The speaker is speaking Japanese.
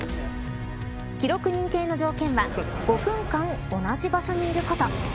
記録認定の条件は５分間同じ場所にいること。